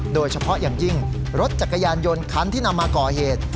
โดยเฉพาะอย่างยิ่งรถจักรยานยนต์คันที่นำมาก่อเหตุ